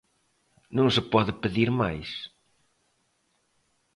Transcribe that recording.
Non se pode pedir máis.